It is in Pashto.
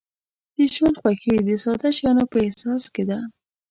د ژوند خوښي د ساده شیانو په احساس کې ده.